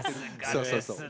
そうそうそう。